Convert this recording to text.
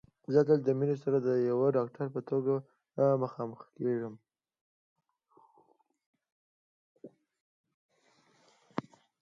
زه تل د مينې سره د يوه ډاکټر په توګه مخامخېږم